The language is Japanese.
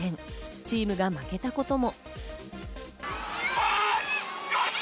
チームが負けたことも。